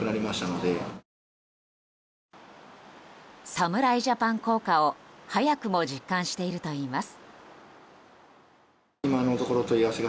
侍ジャパン効果を早くも実感しているといいます。